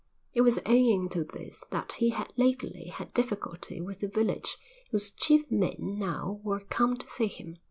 It was owing to this that he had lately had difficulty with the village whose chief men now were come to see him.